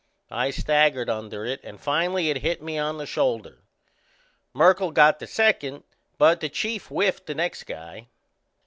I staggered under it and finally it hit me on the shoulder. Merkle got to second, but the Chief whiffed the next guy.